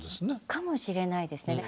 かもしれないですね。